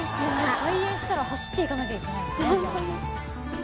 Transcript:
開園したら走って行かなきゃいけないんですねじゃあ。